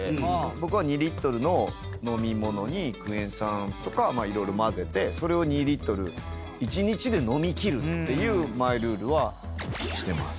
僕は２リットルの飲み物にクエン酸とか色々混ぜてそれを２リットル一日で飲み切るっていうマイルールはしてます。